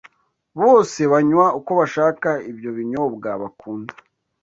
Bose banywa uko bashaka ibyo binyobwa bakunda,